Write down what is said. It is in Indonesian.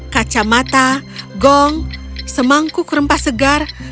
kacamata gong semangkuk rempah segar